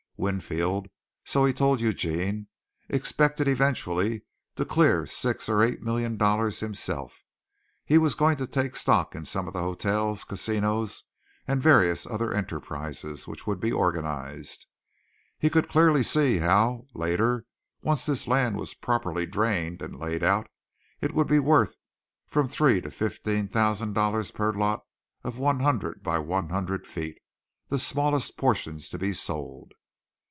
Winfield, so he told Eugene, expected eventually to clear six or eight million dollars himself. He was going to take stock in some of the hotels, casinos, and various other enterprises, which would be organized. He could clearly see how, later, once this land was properly drained and laid out, it would be worth from three to fifteen thousand dollars per lot of one hundred by one hundred feet the smallest portions to be sold.